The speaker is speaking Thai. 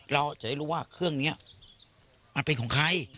เราจะได้รู้ว่าเครื่องนี้มันเป็นของใคร